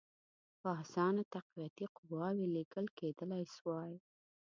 په اسانه تقویتي قواوي لېږل کېدلای سوای.